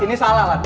ini salah lan